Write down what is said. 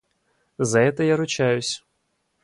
За это я ручаюсь!